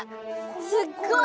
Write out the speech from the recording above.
すっごい！